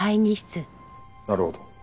なるほど。